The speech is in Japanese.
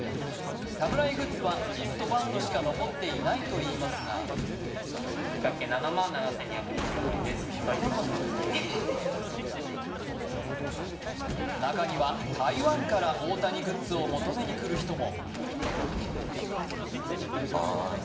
侍グッズはリストバンドしか残っていないといいますが中には台湾から大谷グッズを求めに来る人も。